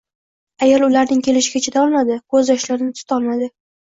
Ayol ularning kelishiga chidayolmadi, ko'zyoshlarini tutolmadi.